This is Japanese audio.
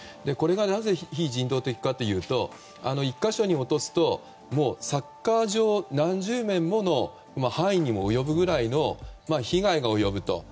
これがなぜ非人道的かというと１か所に落とすとサッカー場何十面もの範囲に及ぶぐらいの被害が及ぶと。